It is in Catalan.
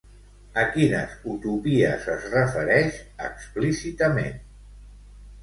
A quines utopies es refereix, explícitament?